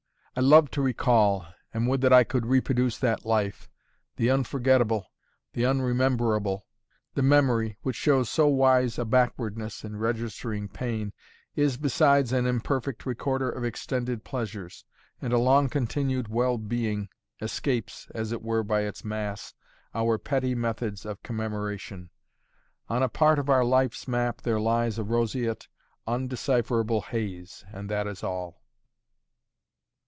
I love to recall, and would that I could reproduce that life, the unforgettable, the unrememberable. The memory, which shows so wise a backwardness in registering pain, is besides an imperfect recorder of extended pleasures; and a long continued well being escapes (as it were, by its mass) our petty methods of commemoration. On a part of our life's map there lies a roseate, undecipherable haze, and that is all.